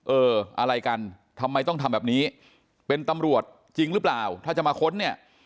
เอออะไรกันทำไมต้องทำแบบนี้เป็นตำรวจจริงหรือเปล่าถ้าจะมาค้นเนี่ย